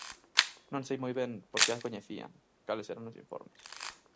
Non sei moi ben por que a coñecían, cales eran os informes.